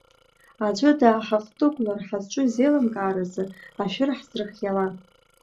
Аӡәы дааҳхҭықәгылар, хазҿу изеилымкааразы, ашәыр ҳзырхиала.